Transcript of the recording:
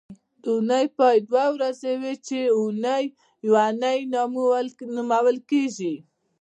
د اونۍ پای دوه ورځې وي چې اونۍ او یونۍ نومول کېږي